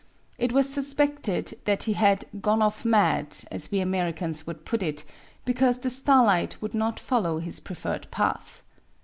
It was suspected that he had " gone off mad," as we Ameri cans would put it, because the starlight would not fol low his preferred path.